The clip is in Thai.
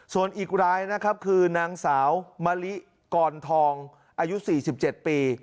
ส่วนอีกรายนะครับคือนางสาวมะลิกรทองอายุ๔๗ปี